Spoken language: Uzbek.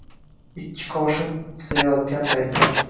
Ikki qoshin chizyotgan paytim